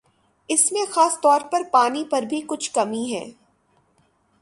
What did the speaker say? اس میں خاص طور پر پانی پر بھی کچھ کمی ہے